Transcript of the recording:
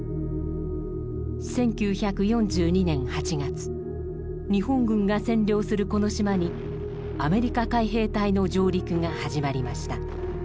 １９４２年８月日本軍が占領するこの島にアメリカ海兵隊の上陸が始まりました。